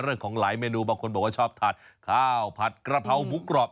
เรื่องของหลายเมนูบางคนบอกว่าชอบทานข้าวผัดกระเพราหมูกรอบ